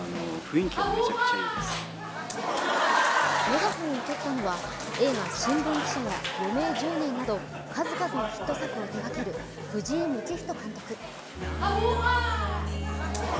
メガホンを取ったのは映画「新聞記者」や「余命１０年」など数々のヒット作を手がける藤井道人監督。